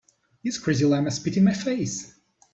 This crazy llama spit in my face.